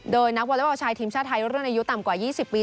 โดยนักวอเล็กบอลชายทีมชาติไทยรุ่นอายุต่ำกว่า๒๐ปี